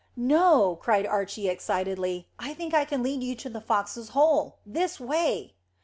"No," cried Archy excitedly. "I think I can lead you to the foxes' hole. This way."